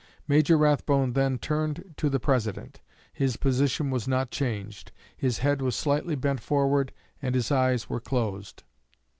Major Rathbone then turned to the President. His position was not changed; his head was slightly bent forward, and his eyes were closed.